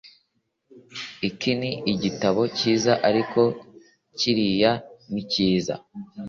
Iki ni igitabo cyiza ariko kiriya ni cyiza